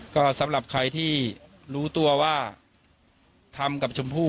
ก็สำหรับใครที่รู้ตัวว่าทำกับชมพู่